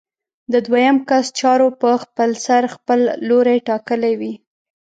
د دویم کس چارو په خپلسر خپل لوری ټاکلی وي.